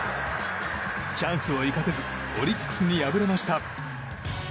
チャンスを生かせずオリックスに敗れました。